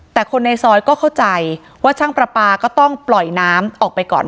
แต่คนในซอยก็เข้าใจว่าช่างประปาก็ต้องปล่อยน้ำออกไปก่อน